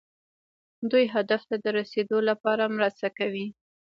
دوی هدف ته د رسیدو لپاره مرسته کوي.